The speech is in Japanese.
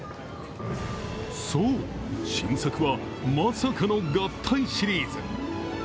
そう、新作は、まさかの合体シリーズ。